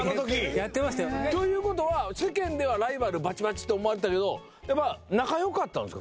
やってましたよ。という事は世間ではライバルバチバチって思われてたけどやっぱ仲良かったんですか？